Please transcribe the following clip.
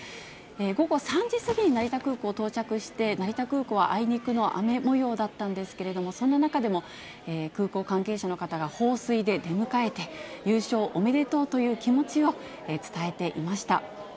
午後３時過ぎに成田空港に到着して、成田空港はあいにくの雨もようだったんですけれども、そんな中でも、空港関係者の方が放水で出迎えて、優勝おめでとうという気持ちを伝えていました。